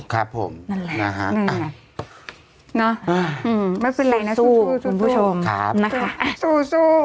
ครับผมนั่นแหละนะคะไม่เป็นไรนะสู้คุณผู้ชมนะคะสู้